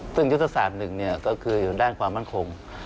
ซึ่งยุทธศาสตร์หนึ่งก็คืออยู่ด้านความมั่นคง